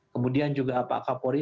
kemudian juga pak kapolri